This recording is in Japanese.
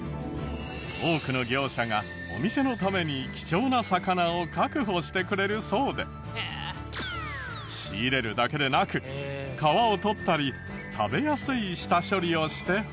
多くの業者がお店のために貴重な魚を確保してくれるそうで仕入れるだけでなく皮を取ったり食べやすい下処理をして販売。